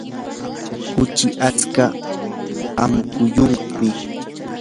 kuchi atska amukuyuqmi.